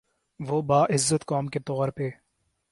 وہ باعزت قوم کے طور پہ